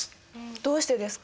どうしてですか？